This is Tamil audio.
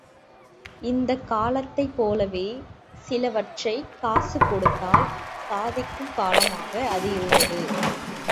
இந்தக் காலத்தைப் போலவே சிலவற்றைக் காசு கொடுத்தால் சாதிக்கும் காலமாக அது இருந்தது.